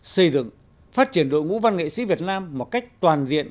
xây dựng phát triển đội ngũ văn nghệ sĩ việt nam một cách toàn diện